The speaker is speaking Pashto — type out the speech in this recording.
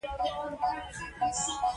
ښه نو اوس پاتې شوه د زړه د ماتېدو خبره.